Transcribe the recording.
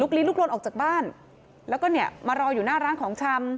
ลีลุกลนออกจากบ้านแล้วก็เนี่ยมารออยู่หน้าร้านของชำ